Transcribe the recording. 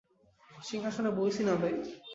সিংহাসনে বইসি না ভাই।